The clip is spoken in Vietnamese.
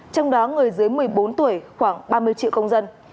trong đó người dưới một mươi bốn tuổi khoảng ba mươi triệu công dân